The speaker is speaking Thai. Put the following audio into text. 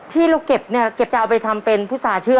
ที่เราเก็บเนี่ยเก็บจะเอาไปทำเป็นพุษาเชื่อ